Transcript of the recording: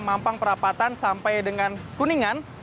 mampang perapatan sampai dengan kuningan